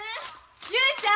雄ちゃん？